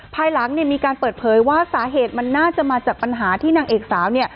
ภายหลังเนี่ยมีการเปิดเผยว่าสาเหตุมันน่าจะมาจากปัญหาที่นางเอกสาวเนี่ย